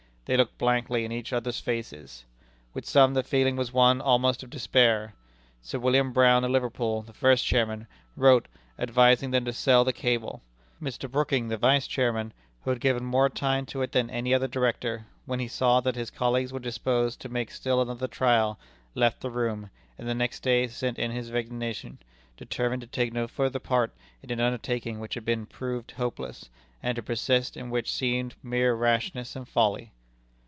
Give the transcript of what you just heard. They looked blankly in each other's faces. With some, the feeling was one almost of despair. Sir William Brown, of Liverpool, the first Chairman, wrote, advising them to sell the cable. Mr. Brooking, the Vice Chairman, who had given more time to it than any other Director, when he saw that his colleagues were disposed to make still another trial, left the room, and the next day sent in his resignation, determined to take no further part in an undertaking which had been proved hopeless, and to persist in which seemed mere rashness and folly.